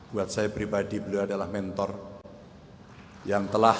buat saya pribadi beliau adalah mentor yang telah